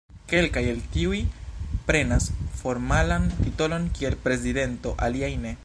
Kelkaj el tiuj prenas formalan titolon kiel "prezidento", aliaj ne.